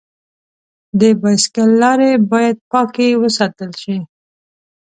د بایسکل لارې باید پاکې وساتل شي.